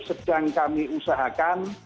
sedang kami usahakan